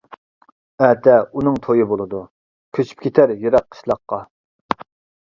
ئەتە ئۇنىڭ تويى بولىدۇ، كۆچۈپ كېتەر يىراق قىشلاققا.